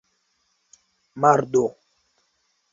mardo